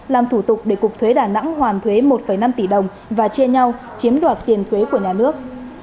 làm thủ tục để cục thuế đà nẵng hoàn thuế một năm tỷ đồng và chia nhau chiếm đoạt tiền thuế của nhà nước